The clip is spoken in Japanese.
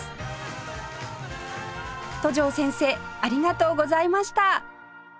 戸城先生ありがとうございました